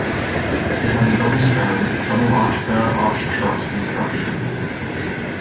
It has a double-span, double-arch Burr arch truss construction.